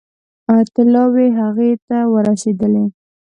طلاوې هغه ته ورسېدلې.